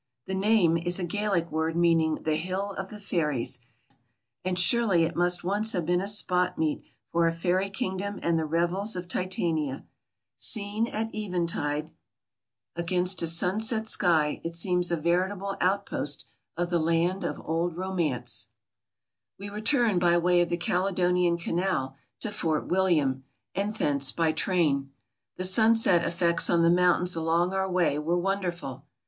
The name is a Gaelic word meaning 'the hill of the fairies,' and surely it must once have been a spot meet for a fairy kingdom and the revels of Titania. Seen at even Digilized by Google tide, against a sunset sky, it seems a veritable outpost of the Land of Old Romance. We returned by way of the Caledonian Canal to Fort William, and thence by train. The sunset effects on the mountains along our way were wonderful.